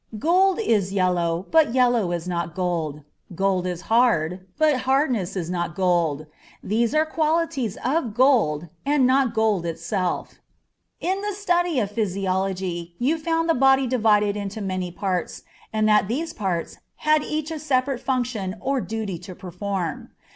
Gold is yellow, but yellow is not gold; gold is hard, but hardness is not gold; these are qualities of gold, and not gold itself. In the study of physiology you found the body divided into many parts, and that these parts had each a separate function or duty to perform.